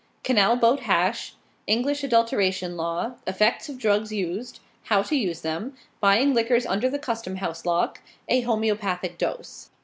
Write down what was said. CANAL BOAT HASH. ENGLISH ADULTERATION LAW. EFFECTS OF DRUGS USED. HOW TO USE THEM. BUYING LIQUORS UNDER THE CUSTOM HOUSE LOCK. A HOMOEOPATHIC DOSE.